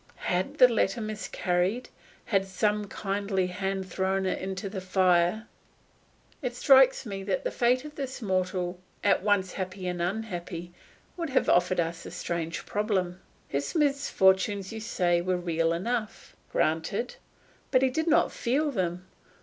Had the letter miscarried, had some kindly hand thrown it into the fire, it strikes me that the fate of this mortal, at once happy and unhappy, would have offered us a strange problem. His misfortunes, you say, were real enough. Granted; but he did not feel them.